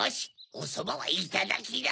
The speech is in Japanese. おそばはいただきだ！